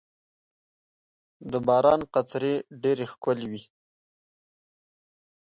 • د باران قطرې ډېرې ښکلي وي.